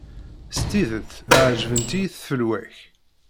S tidet ɛeǧbent-iyi tfelwa-k.